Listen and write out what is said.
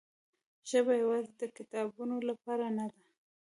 ژبه یوازې د کتابونو لپاره نه ده.